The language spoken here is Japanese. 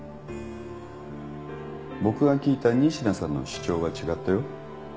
僕が聞いた仁科さんの主張は違ったよ。